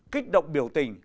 kích động biểu tình